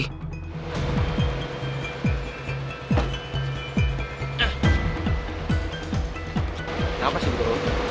kenapa sih bu